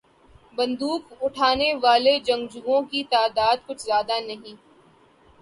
بندوق اٹھانے والے جنگجوؤں کی تعداد کچھ زیادہ نہیں۔